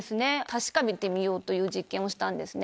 確かめてみようという実験をしたんですね。